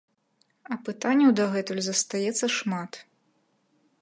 А пытанняў дагэтуль застаецца шмат.